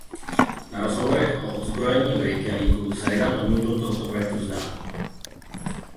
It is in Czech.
Na rozhovorech o odzbrojení v Reykjavíku se Reagan odmítl tohoto projektu vzdát.